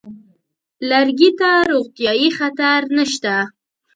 لرګي ته روغتیايي خطر نشته.